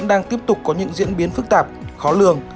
covid một mươi chín vẫn đang tiếp tục có những diễn biến phức tạp khó lường